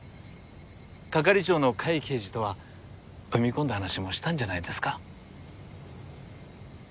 係長の甲斐刑事とは踏み込んだ話もしたんじゃないですか？